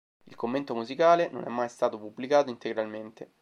Il commento musicale non è mai stato pubblicato integralmente.